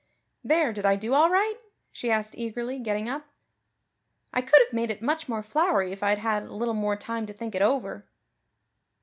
"There, did I do all right?" she asked eagerly, getting up. "I could have made it much more flowery if I'd had a little more time to think it over."